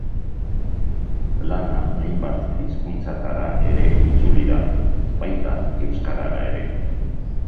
Lana hainbat hizkuntzatara ere itzuli da, baita euskarara ere.